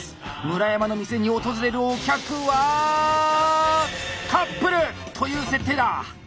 村山の店に訪れるお客は⁉「カップル」という設定だ！